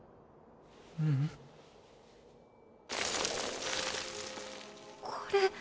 ううん。これ。